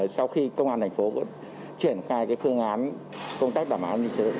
sau khi công an thành phố triển khai phương án công tác đảm bảo an ninh trật tự